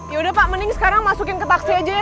yaudah pak mending sekarang masukin ke taksi aja ya